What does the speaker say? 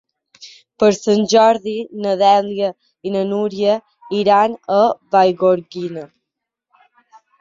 Per Sant Jordi na Dèlia i na Núria iran a Vallgorguina.